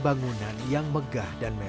nah ini agak keaguehan ini